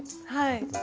はい。